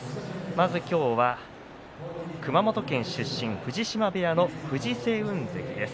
まず今日は熊本県出身藤島部屋の藤青雲関です。